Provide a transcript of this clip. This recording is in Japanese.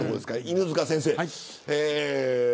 犬塚先生